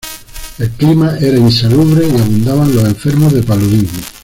El clima era insalubre y abundaban los enfermos de paludismo.